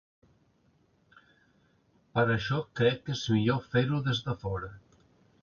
Per això crec que és millor fer-ho des de fora.